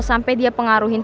shaded siang kita